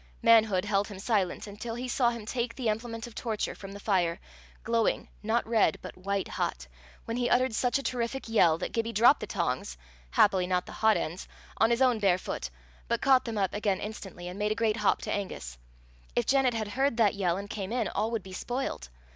Manhood held him silent until he saw him take the implement of torture from the fire, glowing, not red but white hot, when he uttered such a terrific yell, that Gibbie dropped the tongs happily not the hot ends on his own bare foot, but caught them up again instantly, and made a great hop to Angus: if Janet had heard that yell and came in, all would be spoilt.